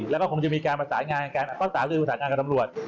และก็คงจะมีการมาสายงานการอัศวินประสาทอาจารย์กับตำรวจ